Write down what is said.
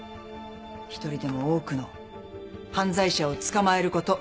１人でも多くの犯罪者を捕まえること。